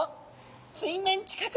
水面近く！